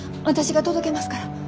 私が届けますから。